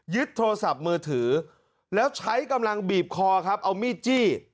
โทรศัพท์มือถือแล้วใช้กำลังบีบคอครับเอามีดจี้